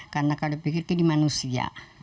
karena kalau pikir ini manusia